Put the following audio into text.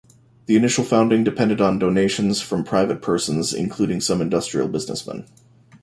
The initial founding depended on donations from private persons including some industrial businessmen.